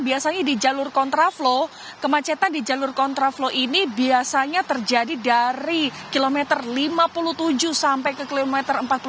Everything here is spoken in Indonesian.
biasanya di jalur kontraflow kemacetan di jalur kontraflow ini biasanya terjadi dari kilometer lima puluh tujuh sampai ke kilometer empat puluh lima